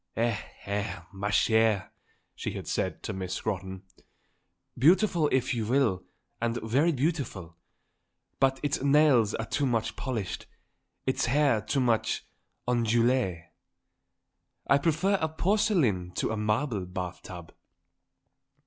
"Eh, eh, ma chère," she had said to Miss Scrotton, "beautiful if you will, and very beautiful; but its nails are too much polished, its hair too much ondulé. I prefer a porcelain to a marble bath tub."